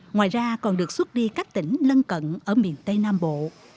ngoài ra còn được xuất đi các tỉnh lân cận ở miền tây nam bộ